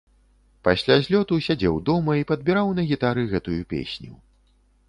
Пасля злёту сядзеў дома і падбіраў на гітары гэтую песню.